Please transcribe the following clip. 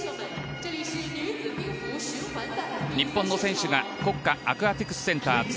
日本の選手が国家アクアティクスセンター